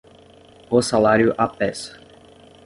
O salário à peça